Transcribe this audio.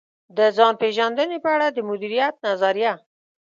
د ځان پېژندنې په اړه د مديريت نظريه.